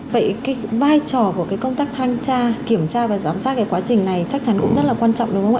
vậy cái vai trò của cái công tác thanh tra kiểm tra và giám sát cái quá trình này chắc chắn cũng rất là quan trọng đúng không ạ